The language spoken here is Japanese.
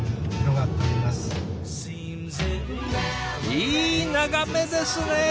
いい眺めですね！